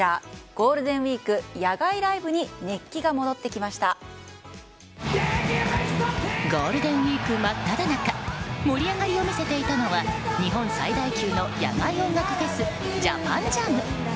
ゴールデンウィーク野外ライブにゴールデンウィーク真っただ中盛り上がりを見せていたのは日本最大級の野外音楽フェスＪＡＰＡＮＪＡＭ。